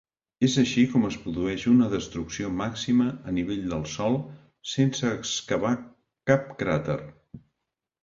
És així com es produeix una destrucció màxima a nivell del sòl sense excavar cap cràter.